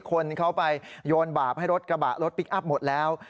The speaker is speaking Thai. คนเขาไปโยนบาปให้รถกระบะรถพลิกอัพหมดแล้ว